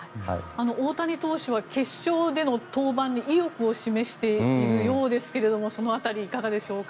大谷投手は決勝での登板に意欲を示しているようですけれどもその辺りはいかがでしょうか。